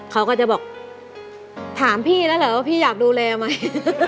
เขาก็จะบอกถามพี่แล้วเหรอว่าพี่อยากดูแลไหม